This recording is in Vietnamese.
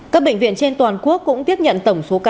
các bệnh viện trên toàn quốc cũng tiếp nhận tổng số ca đến khám